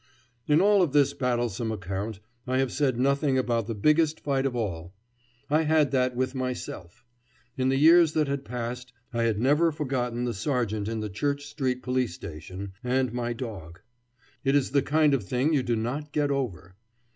In all of this battlesome account I have said nothing about the biggest fight of all. I had that with myself. In the years that had passed I had never forgotten the sergeant in the Church Street police station, and my dog. It is the kind of thing you do not get over.